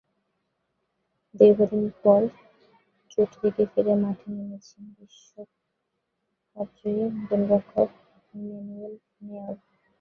দীর্ঘদিন পর চোট থেকে ফিরে মাঠে নেমেছেন বিশ্বকাপজয়ী গোলরক্ষক ম্যানুয়েল নয়্যার।